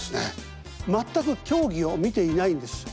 全く競技を見ていないんです。